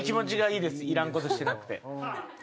いらんことしなくて。